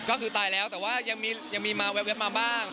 ก็คือตายแล้วแต่ว่ายังมีมาแว๊บมาบ้าง